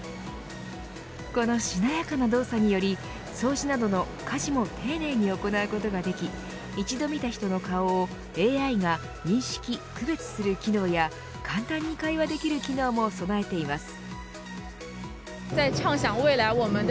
このしなやかな動作により掃除などの家事も丁寧に行うことができ一度見た人の顔をＡＩが認識、区別する機能や簡単に会話できる機能も備えています。